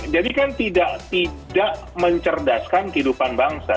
jadi kan tidak mencerdaskan kehidupan bangsa